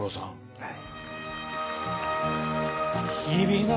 はい。